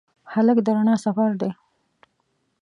هلک د رڼا سفر دی.